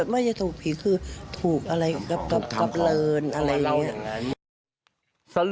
ไม่ใช่ถูกผีคือถูกอะไรกับเลินอะไรอย่างนี้